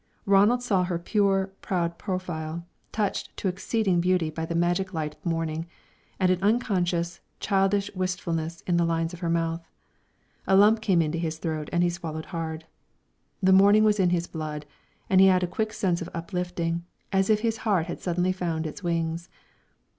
Ronald saw her pure, proud profile, touched to exceeding beauty by the magic light of morning, and an unconscious, childish wistfulness in the lines of her mouth. A lump came into his throat and he swallowed hard. The morning was in his blood, and he had a quick sense of uplifting, as if his heart had suddenly found its wings.